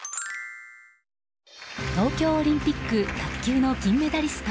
東京オリンピック卓球の金メダリスト